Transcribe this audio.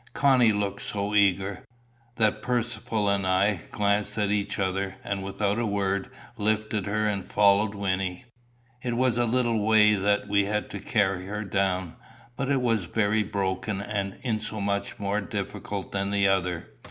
Connie looked so eager, that Percivale and I glanced at each other, and without a word, lifted her, and followed Wynnie. It was a little way that we had to carry her down, but it was very broken, and insomuch more difficult than the other.